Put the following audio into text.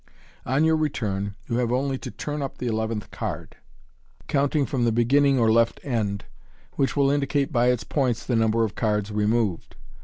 On your return, you have only to turn up the eleventh card, counting from the beginning or left hand end, which will indicate by its points the number of cards removed.